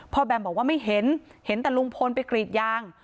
แบมบอกว่าไม่เห็นเห็นแต่ลุงพลไปกรีดยาง